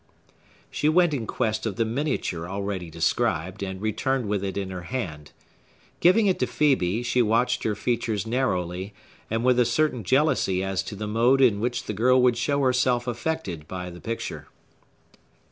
She went in quest of the miniature already described, and returned with it in her hand. Giving it to Phœbe, she watched her features narrowly, and with a certain jealousy as to the mode in which the girl would show herself affected by the picture.